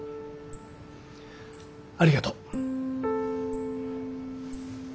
ありがとう。